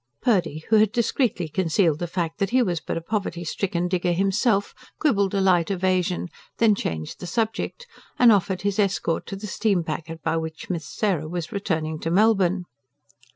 Purdy, who had discreetly concealed the fact that he was but a poverty stricken digger himself, quibbled a light evasion, then changed the subject, and offered his escort to the steam packet by which Miss Sarah was returning to Melbourne.